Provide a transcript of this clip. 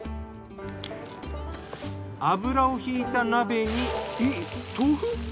油をひいた鍋にえっ豆腐？